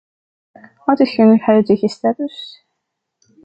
Wat is hun huidige status?